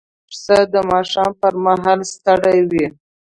پسه د ماښام پر مهال ستړی وي.